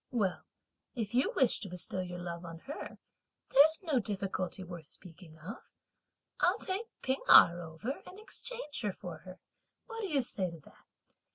Well, if you wish to bestow your love on her, there's no difficulty worth speaking of. I'll take P'ing Erh over and exchange her for her; what do you say to that?